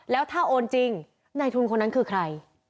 แล้วถ้าโอนจริงในทุนคนนั้นคือใคร